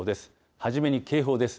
初めに警報です。